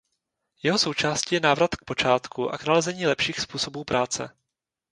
Jeho součástí je návrat k počátku a k nalezení lepších způsobů práce.